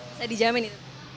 bisa dijamin itu